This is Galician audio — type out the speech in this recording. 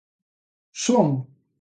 ¿Son?